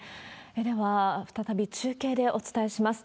では、再び中継でお伝えします。